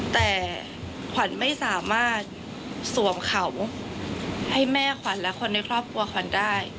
แต่ขวัญไม่สามารถสวมเขาให้แม่ขวัญและคนในครอบครัวขวัญได้